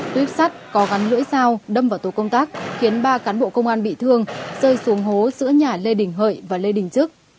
tuyếp sắt có gắn lưỡi dao đâm vào tổ công tác khiến ba cán bộ công an bị thương rơi xuống hố giữa nhà lê đình hợi và lê đình trức